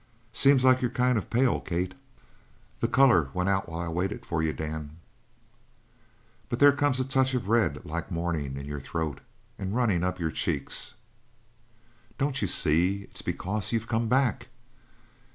"Seems like you're kind of pale, Kate." "The colour went while I waited for you, Dan." "But there comes a touch of red like morning in your throat, and runnin' up your cheeks." "Don't you see? It's because you've come back!"